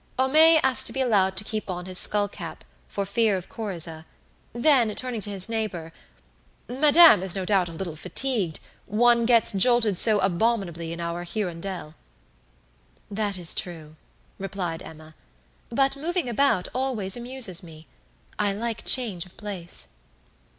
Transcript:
Homais asked to be allowed to keep on his skull cap, for fear of coryza; then, turning to his neighbour "Madame is no doubt a little fatigued; one gets jolted so abominably in our 'Hirondelle.'" "That is true," replied Emma; "but moving about always amuses me. I like change of place."